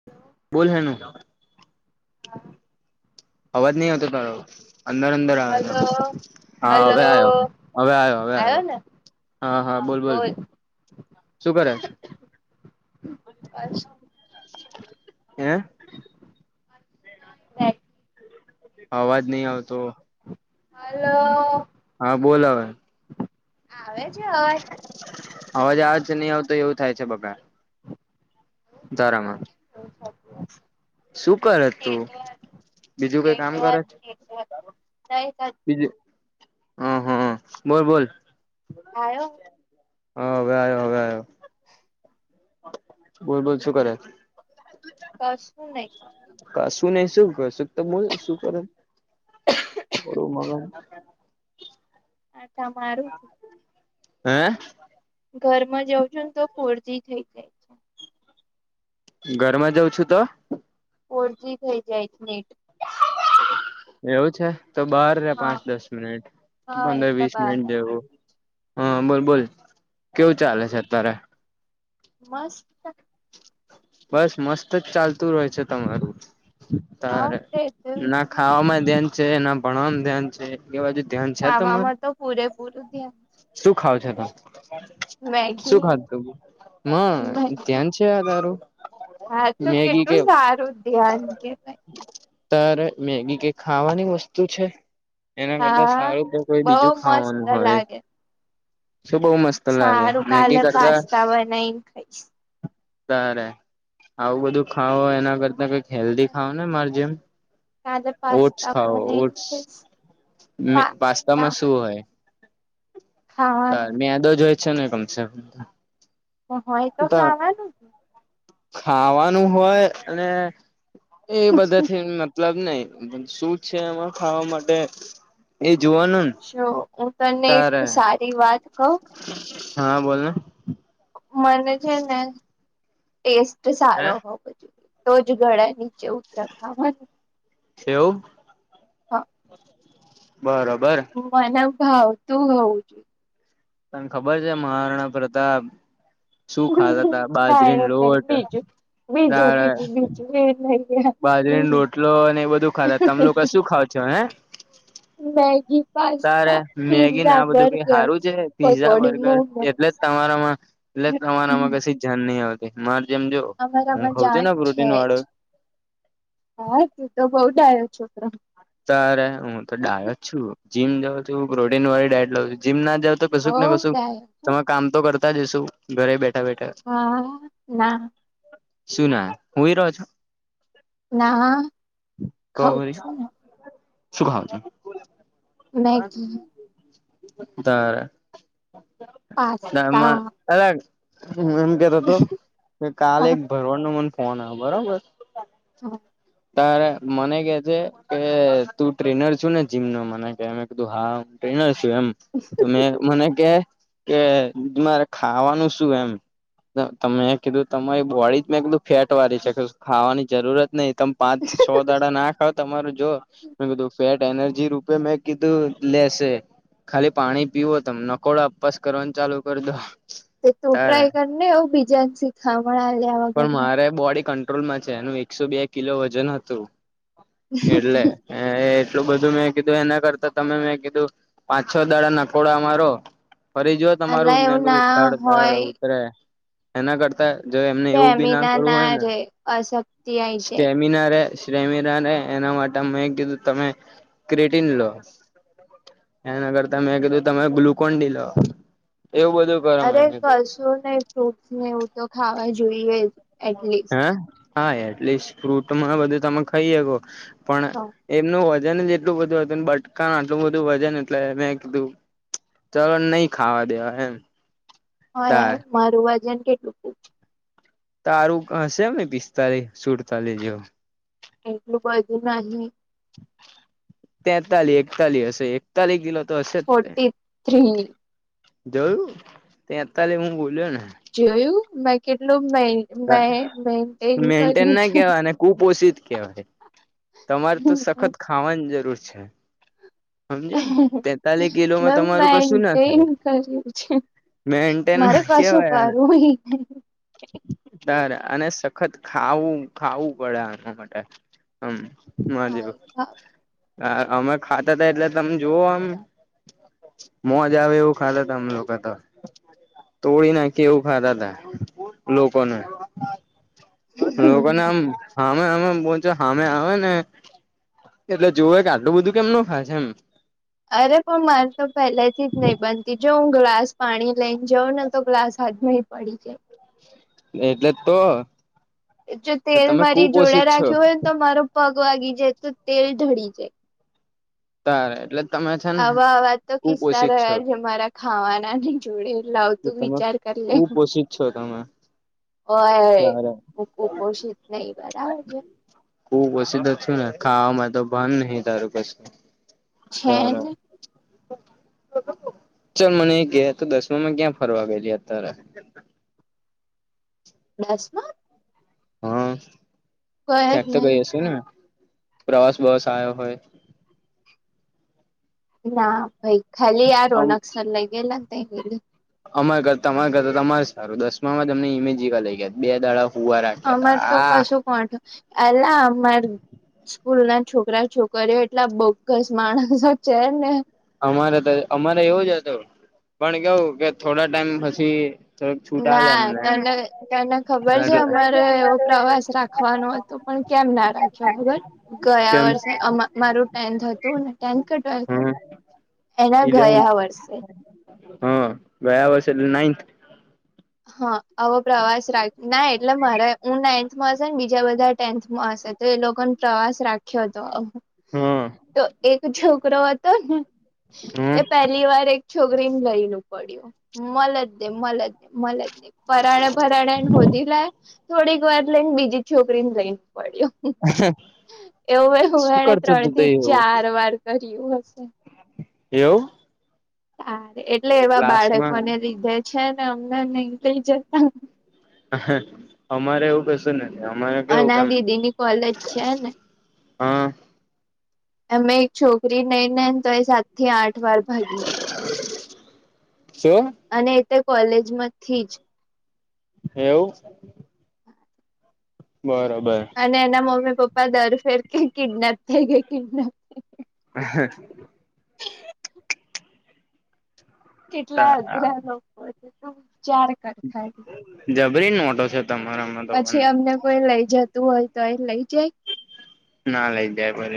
[inaudible] બોલ હેનું. હા અવાજ નહી આવતો તારો. અંદર અંદર આવ ત હલો હા હવે આવ્યો હવે આવ્યો હવે આવ્યો. ને હા હા બોલ બોલ શું કરે. અ. હૈ. [inaudible] અવાજ નહી આવતો. હલો. હા બોલાવે. આવે છે અવાજ. અવાજ આવ છે નહી આવતો એવું થાય છે બબા જરામાં એ થકું કરે વા તું બીજું કઈ કામ કરે છે વા બીજું હા હા હ બોલ બોલ. આવો હ હવે આવ્યો હવે આવ્યો. બોલ બોલ શું કરે. કસું નહી. શું નહી શું સુખ તો બોલ શું કર. ઓરું મગન. આ તમાા. હ. ઘરમાં જઉં છું ને તો ફોરજી થઈ જાય. છે ઘરમાં જઉં છું તો. ફોરજી થઇ જાય છે નેટ. એવું છે તો બાર રે હા પાંચ દસ મિનિટ હા પંદર એટલે વીસ બાર મિનિટ જેવું. હા બોલ બોલ કેવું ચાલે છે અતારે. મસ્ત. બસ મસ્તજ ચાલતું હોય છે. તમારું ત હા તે તેવું જ ના નહી ખાવામાં ધ્યાન છે ના ભણવા ધ્યાન છે. એ બાજુ ધ્યાન છે તમારું ખાવામાં તો પૂરેપૂરું ધ્યાન શું ખાવ છો ત. શું મેગી ખાધું તું ત્યાંન છે તારું. હા તો કેટલું સારું ધ્યાન કે ન. ત મેગી કે ખાવાની વસ્તુ છે. એના કરતા હા સારું તો કોઈ બઉ બીજું મસ્ત ખાવાનું હોય લાગે શુ બહુ મસ્ત લાગે સારું મેગી કાલે કરતા પાસ્તા બનાઈને ખાઈશ. તારે આવું હને બધું ખાાવ એના કરતા કઈક હને હેલ્ધી ખાઓ ને હને માર જેમ કાલે ઓટ્સ પાસ્તા ખાઓ બનાવીને ઓટ્સ. ખાઈશ ને પાસ્તા પાસ્તામાં શું હોય? ખાવાનું તારે મદોજ હોય છે ને કમશે કમ તો હોય તો ચાવે ને ખાવાનું હોય અને એ બધા થી ઉપલબ્ધ નહી શું છે એમાં ખાવા માટે એ જોવાનું ને. જો હું તને એક તારે સારી વાત કઉ. હા બોલને. મને છે ને ટેસ્ટ હે સારો હોવો જોઈએ. તોજ ગળા નીચે ઉતર ખાવાનુ એવું. હા. બરોબર. હું મને ભાવ તું હોઉ જોઇએ. તને ખબર છે મહારાણા પ્રતાપ શું ખાતાા જોઈએ તા ના એ બાજરીની નહી લોટ બીજું બીજું તારે બીજું એ બીજું જ લઈ ગયા બાજરી રોટલો અને એ બધું ખાતાતા તમે લોકો શું ખાવ છો હે. મેગી. તારે પાસ્તા મેગીને પીઝા આ બધું કઈ બર્ગર સારું છે પીઝા પકોડી બર્ગર એટલે મોમોસ જ તમારામાં એટલે તમારામાં કશી જાન નહ આવતી મારે જેમ જો હું અમારામાં ખઉં છું જાન ને છે પ્રોટીન વાળુ જ હા તુ તો બઉ ડાયો છોકરો. તારે હું તો ડાયો જ છું જીમ જાઉ છું પ્રોટીન વાળી ડાઇટ લઉ છું જીમ ના જાાવ તો બઉ કશુંક ને કશુંક ડાયો હો. તમે કામ તો કરતા જ હશો. ઘરે બેઠા બેઠા હા ના શું ના હુંય રો છો? ના હા તો ખઉ જ પછી છુંને. શું ખાવ છો? મેગી તારે તે એમાં. પાસ્તા અરે હુ એમ કેતો તો કે કાલે ભરવાડ નો મને ફોન આયો હ બરોબર. હા તારે મને કે છે કે તું ટ્રેનર છુ ને જીમ નો મને તે મેં કધું હા ટ્રેનર છું એમ તો મે મને કે કે મારે ખાવાનું શું એમ તો મે કીધું તમારી બોળી જ મેં કીધું ફેટ વાળી છે કસુ ખાવાની જરૂરત નહી તમ પાંચ છ દાડા ના ખાવ તમાર જો મે કીધું ફેટ એનર્જી રૂપે મેં કીધું લેશે ખાલી પાણી પીવો તમે નકોડા અપ્પાસ કરવાનું ચાલુ કરી દો તે તું તારે ટ્રાય કરી ને આવું બીજા ને શીખામણ આલ્યા વગરનો અ બોડી કંટ્રોલમાં છે એનું એકસો બે કિલો વજન હતું એટલે હ એટલું બધું મેં કીધું એના કરતા તમે મેં કીધું પાંચ છો દાડા નકોડા મા રો ફરી જોઓ અલા તમારું ને એવું કધું ના તડ દડ હોય ઉતરે એના કરતા જોઈ તમને એવું બી ના સ્ટેમિના કરવું હોય ને રે અશક્તિ આઈ જાય સ્ટેમિના રે પ્રેમીરાને એના માટે મેં કીધું તમે ક્રેટીન લો એના કરતા મે કીધું તમે ગ્લુકોન ડી લો એવું બધું કરો મેં અરે કીધું કશું નય ફ્રૂટસ ને એવું તો ખાવા જોઈએ જ એટલીસ્ટ હે હા એટલીસ્ટ ફ્રૂટમાં બધું તમે ખાઈ શકો પણ તો એમનું વજન જ એટલું બધું હતું બટકા ના આટલું બધું વજન એટલે મેં કીધું ચલો ને નય ખાવા દેવા એમ હા તાર યાર મારું વજન કેટલું પૂછ તારું હશે એમ ને પિસ્તાલીસ સુડતાલીસ જેવું એટલું બધું નહી તેતાલીસ એકતાલીસ હશે એકતાલીસ દિલો તો હશે જ ત્રી જોયું ત એતાલે હું બોલો્યોને જોયું મેં કેટલું મે મેન્ટેન ના છું કેવાય ને કુપોષિત કેવાય તમારે તો સખત ખાવાની જરૂર છે સમજ તેતાલીસ કિલોમાં મેં તમારું કશું ના મેન્ટેન થાય કર્યું છે મેન્ટેન મારે ના કશું કેવાય એને કરવું ઈ તારે અને સખત ખાવું ખાવું પડે એના માટે હમ જવ નહી. અમે ખાતા હતાા એટલે તમે જોુઓ આમ મોજ આવે એવું ખાધ ત અમ લોકો તો તોડીી નાખી એવું ખાતા તા નું લોકોને આમ હામે હામે હામે આવે ને એટલે જોવે કે, આટલું બધું કેમ ન ખાય છે એમ. અરે પણ મારે તો પેલેથી જ નહીિ બનતી જો હું ગ્લાસ પાણી લઈને જાઉં ને તો ક્લાસ હામાં પડી એટલે તો ગાય જો તેલ તમે મારી કુપોષિત જોડાે છો રાખ્યું હોય તમારો પગ વાગી જાય તો તેલ ઢળી જાય તારે એટલે તમે છે ને આવા આવા તો કિસ્સા કુપોષિત છો રહ્યા છે મારા ખાવાના નહી જોડે લાવતું તમે વિચાર કરી લે કુપોષિત છો તમે હ તારે હું કુપોષિત નહ બરાબર છે ખ ઓછીધ છું ને ખાવામાં તો ભાન નહ તારું પછું છે ને ચાલ મને ગયા તો દસ તમે ક્યાં ફરવા ગયેલી અત્યારે. બસમાં! હા ગયો ક્યાંક જ તો નહી ગઈ હશેને? પ્રવાસ બવાસ આયો હોય. ના ભાઈ. ખાલી આ આમ રોનક સર લઈ ગેલાને તઈ ગેલી. અમારે કરતા તમારે કરતા તો અમારે સારું, દસમામાં ત અમને ઇમેજ લઈ ગયા બે દાડા. હુવા રાખ્યા અમાર તો હતા કશું કોન. એટલે અમાર સ્કૂલ ના છોકરા-છોકરીઓ એટલા બોગસ માણસો છે ને. અમારે તો. અમારે એવું જ હતું પણ કેવું કે થોડા ટાઈમ પછી, થોડક છૂટા હાલ દે ના અમને તને તને ખબર છે તો પણ કેમ ના રાખ્યો ખબર! ગયા કેમ વર્ષે અ મારું ટેન્થ હતું. ને ટેન્થ કે ટ્વેલ્થ હતું. એના ગયા ઇલેવન્થ. વર્ષે હ ગયા વષ એલે નાઇન્થ. હ આવો પ્રવાસ રાખના એત એટલે મારે હું નાઇન્થમાં હશે ને. બીજા બધા ટેન્થમાં હશે. તો એ લોકોને પ્રવાસ રાખ્યો હતો. હા તો એક છોકરો હતો ને. હા એ પહેલી વાર એક છોકરીને લઈને પડ્યું. મલે જ ની મળે જ ની. મલે જ નહી. પરાણે પરાણે એન હોદી લાયા. થોડીક વાર રહીન બીજી છોકરીન લઈન પડ્યો. એવું શું એને કરતો ત્રણ તું તે થી એવું ચાર વાર કર્યું હશે. એવ! હા. એટલે એવા ક્લાસમાં બાળકોને લીધે છે ને અમને નહી થઈ જતા. અમારે એવું કસું નથી. અમારે કેવું અના કે, દીદીની કોલેજ છે ને હા. અમે એક છોકરી નઈ નઈ તો એ સાતથી આઠ વાર ભાગી ગઈ હશે. શું? અને એ તે કોલેજમાંથી જ. એવું? બરોબર. અને એના મમ્મી પપ્પા દર ફેર કે, કિડનેપ થઈ ગઇ. કિડનેપ અ.. હ... કેટલા અઘરા લોકો છે. તું વિચાર કર ખાલી જબરી નોટો છે. તમારામાં તો પણ પછી અમને કોઈ લઈ જતું હોય તો એ લઈ જાય? ના લઈ જાય કોઈ.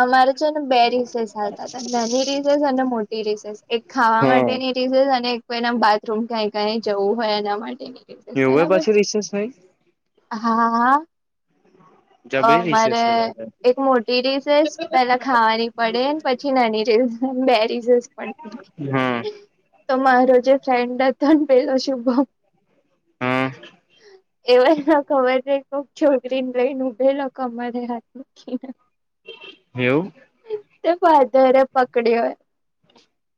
અમારે છે ને બે રીસેસ આલતાતા. નાની રીસેસ અને મોટી રીસેસ. એક ખાવા માટે અને એક રીસેસ અને એક કોઇને બાથરૂમ ક્યાય કઈ જવું હોય એના માટેની. એવુંય પાછી રિસેસ હોય? હા હા. અ જબરી મારે રિસેસ છે એક મોટી રીસેસ પેલાં ખાવાની પડે પછી નાની રીસેસ બે રીસેસ પડે. હા. તો મારો જે ફ્રેન્ડ હતોન પેલો શુભમ હા. એવાય કોઈ ખબર નઈ કોક છોકરીને લઈને ઉભેલો કમરે હાથ મૂકીને. એવું? તો ફાધરે પકડ્યો યે.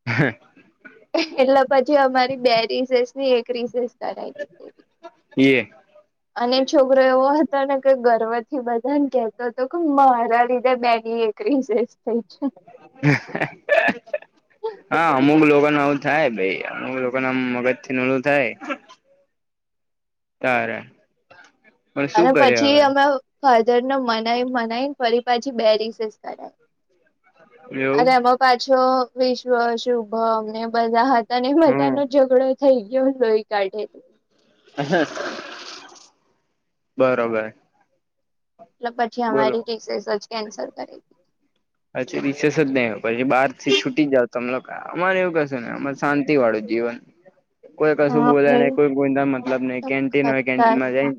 હ... એટલે પછી અમારી બે રીસેસની એક રીસેસ કરાઇ દીધેલી. યેએ. અને એ છોકરો એવો હતો ને કે ગર્વથી બધાને કેતોતો કે મારા લીધે બેની એક રીસેસ થઈ છે. હ... હા! અમુક લોકો ન આવું થાય ભાઈ અમુક લોકોના મગજથી [unintelligible] થાય. તારે. પણ શું અને કરે પછી હવે અમે ફાધરને મનાય મનાઈને ફરી પાછી બે રીસેસ કરાઈ. અન એવું એમાં પાછો વિશ્વ, શુભમ ને એ બધા હતાને એ હમ બધાનો ઝઘડો થઈ ગયો તોય. કાઠે. બરોબર. ને પછી બોલો અમારી રીસેસ જ કેન્સલ કરી. પછી રિસેસ જ નહીં પછી બારથી છૂટી જાવ તમ લોકા અમારે એવું કશું નય, દીધી. અમાર શાંતિવાળું જીવન. કોઈ કશું હા બોલે નય, ભાઈ. કોઈ કોઈના મતલબ નઈ, તો કેન્ટીન હોય કેન્ટીનમાં ખતરનાક જયન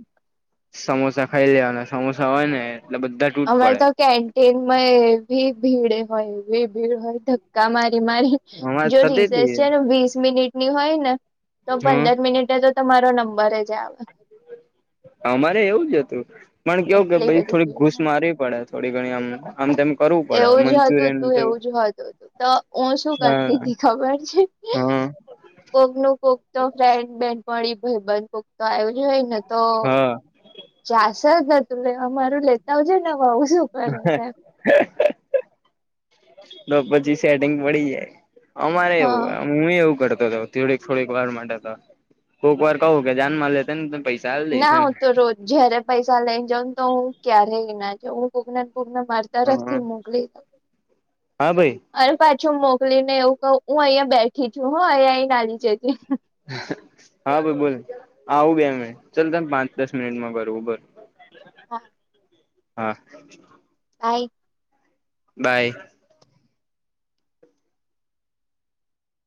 સમોસા ખાઈ લેવાના, સમોસા હોયને એટલે બધા જ અમારે તો કેન્ટીનમાં એવી ભીડ હોય એવી ભીડ હોય, ધક્કા મારી મારી અમારે જો થતી રિસેસ હતી છે ને વીસ મિનિટની હોયને તો હમ પંદર મિનિટે તો તમારો નંબર જ આવે. અમારે એવું જ હતું, પણ કેવું કે એટલી પહિ બધી થોડી ભીડ ઘૂસ હોય. મારવી પડે. થોડી ઘણી અમને. આમ તેમ કરું. એવું જ હતું તું એવું જ હતુંતું, તો હું શું હા કરતીતી ખબર છે? [unintelligible] હા કોક નું કોક તો ફ્રેન્ડ બેનપણી ભાઈબંધ કોક તો આયુ જ હોય ને તો હા ચાલસ જ નતું અમારું લેતા આવજ ને આવું. શું કરે છે [unintelligible] તો પછી સેટિંગ પડી જાય. અમારે એવું હા. હું એવું કરતો હતો. થોડીક થોડીક વાર માટે તો કોક વાર કહું કે જાનમાં લે ને પૈસ ના હું તો રોજ જયારે પૈસા લઈ જાઉંને તો હું ક્યારેય ના જઉ કોક ને કોક ને માર હ તરફથી મોકલી. હા ભાઈ. અરે પાછું મોકલી ને એવું ક હું અહીયાંયા બેઠી છું હ અહીયા આઈને આલી જજે હા ભાઈ બોલ આવું બે મિનિટ ચાલ તમે પાંચ દસ મિનિટમાં કરવું બર હા. હા. Hi by.